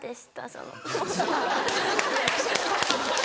その。